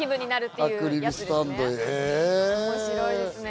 面白いですよね。